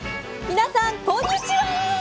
皆さん、こんにちは！